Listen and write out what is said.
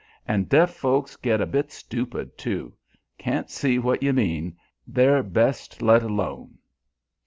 And deaf folks get a bit stupid, too. Can't see what you mean. They're best let alone."